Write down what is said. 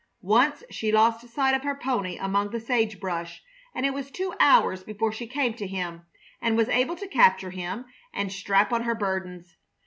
Once she lost sight of her pony among the sage brush, and it was two hours before she came to him and was able to capture him and strap on her burdens.